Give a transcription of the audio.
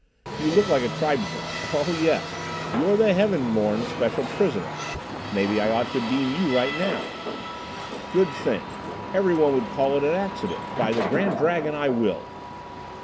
You look like a tribesman. Oh, yes, you're the Heaven Born's special prisoner. Maybe I ought to beam you right now. Good thing. Everyone would call it an accident. By the Grand Dragon, I will!"